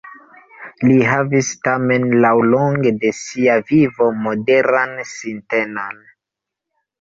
Li havis tamen laŭlonge de sia vivo moderan sintenon.